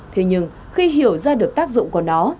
thế nhưng khi hiểu ra được tác dụng của nó